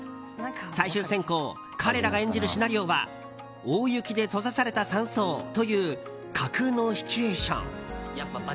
最終選考彼らが演じるシナリオは大雪で閉ざされた山荘という架空のシチュエーション。